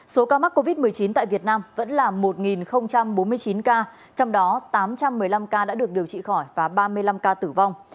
số ca mắc covid một mươi chín tại việt nam vẫn là một bốn mươi chín ca trong đó tám trăm một mươi năm ca đã được điều trị khỏi và ba mươi năm ca tử vong